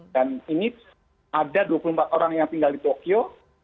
dan ini ada dua puluh empat orang yang tinggal di tokyo